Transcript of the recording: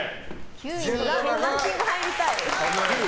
ランキング入りたい。